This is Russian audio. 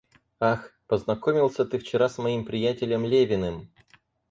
Ах, познакомился ты вчера с моим приятелем Левиным?